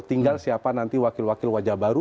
tinggal siapa nanti wakil wakil wajah baru